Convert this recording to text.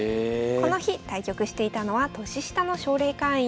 この日対局していたのは年下の奨励会員。